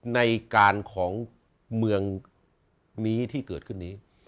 ในการของเมืองนี้ที่เกิดขึ้นนี้